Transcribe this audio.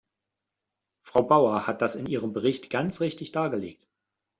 Frau Bauer hat das in ihrem Bericht ganz richtig dargelegt.